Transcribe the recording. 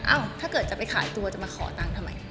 ถ้าเกิดจะไปขายตัวจะมาขอตังค์ทำไม